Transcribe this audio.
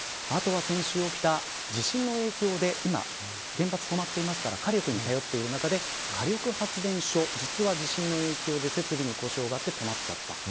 あとは先週起きた地震の影響で今原発が止まってますから火力に頼っている中で火力発電所、実は、地震の影響で設備に故障があって止まっちゃった。